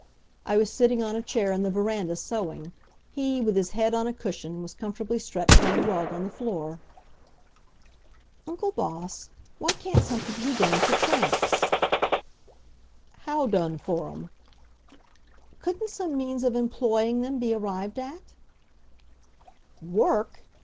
I was sitting on a chair in the veranda sewing; he, with his head on a cushion, was comfortably stretched on a rug on the floor. "Uncle Boss, why can't something be done for tramps?" "How done for 'em?" "Couldn't some means of employing them be arrived at?" "Work!"